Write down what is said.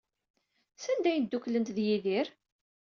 Sanda ay ddukklent ed Yidir?